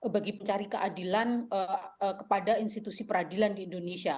bagi pencari keadilan kepada institusi peradilan di indonesia